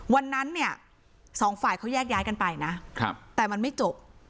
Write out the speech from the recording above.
วันนั้นเนี่ยสองฝ่ายเขาแยกย้ายกันไปนะแต่มันไม่จบ